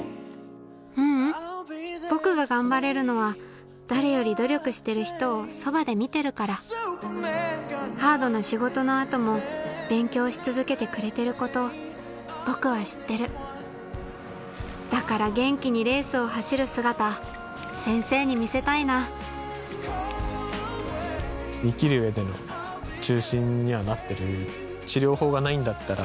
ううん僕が頑張れるのは誰より努力してる人をそばで見てるからハードな仕事の後も勉強し続けてくれてること僕は知ってるだから元気にレースを走る姿先生に見せたいな生きる上での中心にはなってる。